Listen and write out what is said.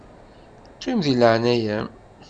Qqim di leɛnaya-m.